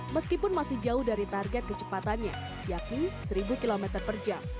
meskipun masih jauh dari target kecepatannya yakni seribu km per jam